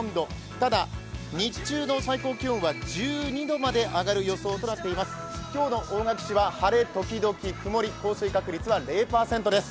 ただ日中の最高気温は１２度まで上がる予想となっています。